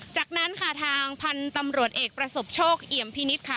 จากนั้นค่ะทางพันธุ์ตำรวจเอกประสบโชคเอี่ยมพินิษฐ์ค่ะ